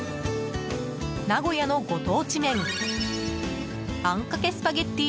名古屋のご当地麺あんかけスパゲティ